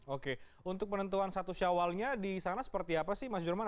oke untuk penentuan satu syawalnya di sana seperti apa sih mas jerman